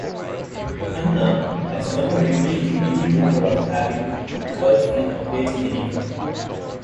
Khanna has never remained in any rumor of having girlfriend or dating any girl.